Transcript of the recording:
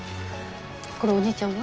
これおじいちゃんは？